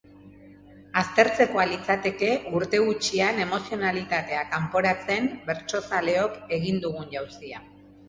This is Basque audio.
Aztertzekoa litzateke urte gutxian emozionalitatea kanporatzen bertsozaleok egin dugun jauzia.